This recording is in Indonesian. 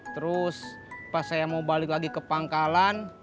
terus pas saya mau balik lagi ke pangkalan